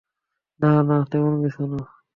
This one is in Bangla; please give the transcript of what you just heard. না, না, তেমন কিছু না।